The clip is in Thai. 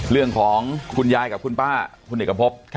เรื่องของคุณยายกับคุณป้าคุณเด็กกับพบ